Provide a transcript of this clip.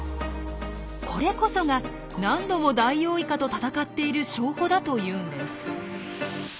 これこそが何度もダイオウイカと闘っている証拠だというんです。